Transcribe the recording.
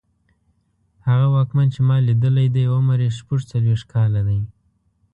هغه واکمن چې ما لیدلی دی عمر یې شپږڅلوېښت کاله دی.